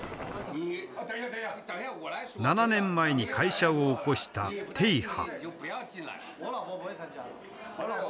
７年前に会社を興した波。